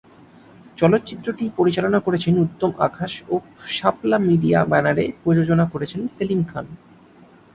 চলচ্চিত্রটি পরিচালনা করেছেন উত্তম আকাশ ও শাপলা মিডিয়া ব্যানারে প্রযোজনা করেছেন সেলিম খান।